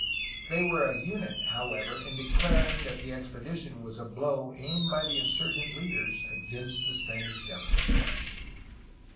They were a unit, however, in declaring that the expe dition was a blow aimed by the insurgent leaders against the Spanish government.